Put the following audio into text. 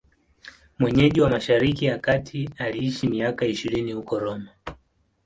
Mwenyeji wa Mashariki ya Kati, aliishi miaka ishirini huko Roma.